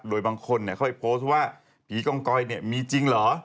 โดยบางคนค่อยโพสต์ว่าผีกองกอยเนี่ยมีจริงเหรอ